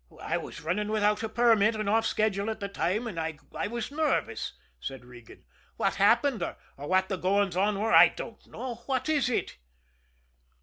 "I was running without a permit and off schedule at the time, and I was nervous," said Regan. "What happened, or what the goings on were, I don't know. What is it?"